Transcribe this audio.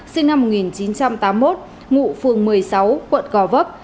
sinh năm một nghìn chín trăm tám mươi một ngụ phường một mươi sáu quận gò vấp